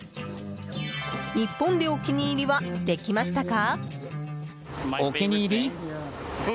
日本でお気に入りはできましたか？